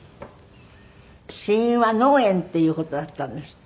死因は脳炎っていう事だったんですって？